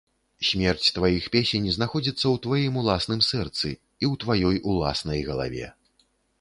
Смерць тваіх песень знаходзіцца ў тваім уласным сэрцы і ў тваёй уласнай галаве.